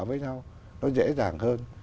với nhau nó dễ dàng hơn